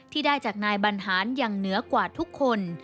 ที่ได้จากนายบรรหารยังเหนือกว่าทุกคน